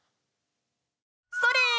それ！